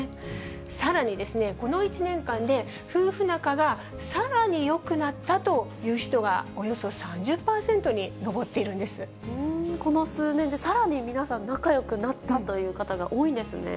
さらに、この１年間で夫婦仲がさらによくなったという人はおよそ３０％にこの数年でさらに皆さん、仲よくなったという方が多いんですね。